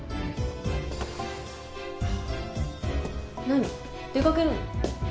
何出掛けるの？